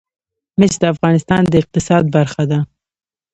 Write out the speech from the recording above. مس د افغانستان د اقتصاد برخه ده.